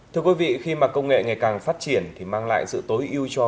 thưa quý vị khi mà công nghệ ngày càng phát triển thì mang lại sự tối ưu cho